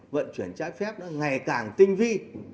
vận chuyển trái phép ngày càng tinh vi